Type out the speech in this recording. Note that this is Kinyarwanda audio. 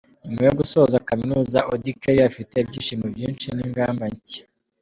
Nyuma yo gusoza kaminuza, Auddy Kelly afite ibyishimo byinshi n'ingamba nshya.